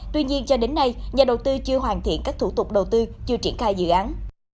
tuy nhiên cho đến nay nhà đầu tư chưa hoàn thiện các thủ tục đầu tư chưa triển khai dự án